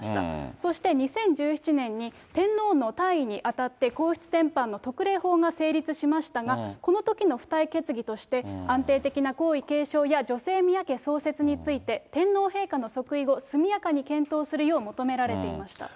そして２０１７年に、天皇の退位にあたって皇室典範の特例法が成立しましたが、このときの付帯決議として、安定的な皇位継承や女性宮家創設について、天皇陛下の即位後、速やかに検討するよう求められていました。